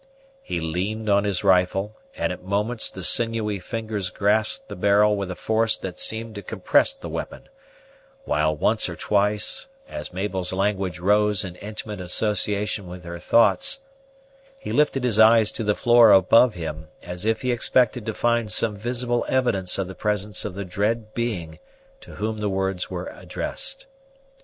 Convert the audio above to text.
He leaned on his rifle, and at moments the sinewy fingers grasped the barrel with a force that seemed to compress the weapon; while, once or twice, as Mabel's language rose in intimate association with her thoughts, he lifted his eyes to the floor above him, as if he expected to find some visible evidence of the presence of the dread Being to whom the words were addressed.